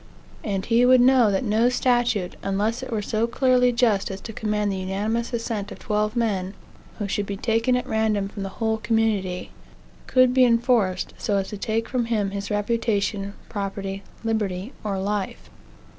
And he would know that no statute, unless it were so clearly just as to command the unanimous assent of twelve men, who should be taken at random from the whole community, could be enforced so as to take from him his reputation, property, liberty, or life.